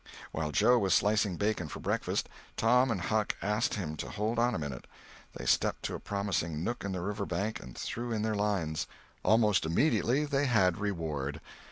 While Joe was slicing bacon for breakfast, Tom and Huck asked him to hold on a minute; they stepped to a promising nook in the river bank and threw in their lines; almost immediately they had reward.